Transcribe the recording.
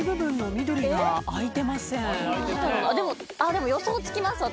でも予想つきます私。